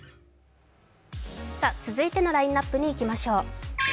続いてのラインナップにいきましょう。